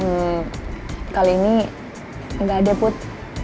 ehem kali ini enggak deh put